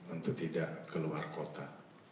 untuk tidak keluar kota